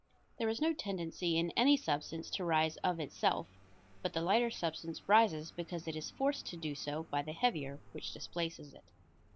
There is no tendency in any substance to rise of itself, but the lighter substance rises because it is forced to do so by the heavier, which displaces it.